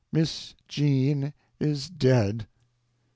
"MISS JEAN IS DEAD!"